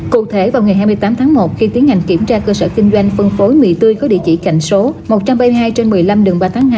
cụ thể vào ngày hai mươi tám tháng một khi tiến hành kiểm tra cơ sở kinh doanh phân phối mì tươi có địa chỉ cạnh số một trăm ba mươi hai trên một mươi năm đường ba tháng hai